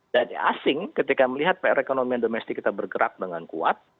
dari asing ketika melihat perekonomian domestik kita bergerak dengan kuat